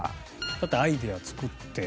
だってアイデア作って。